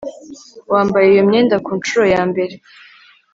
Wambaye iyo myenda kunshuro yambere